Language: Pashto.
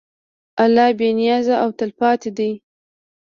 الله بېنیاز او تلپاتې دی.